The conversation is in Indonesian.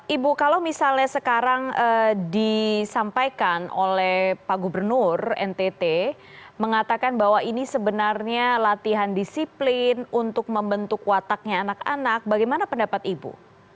ibu kalau misalnya sekarang disampaikan oleh pak gubernur ntt mengatakan bahwa ini sebenarnya latihan disiplin untuk membentuk wataknya anak anak bagaimana pendapat ibu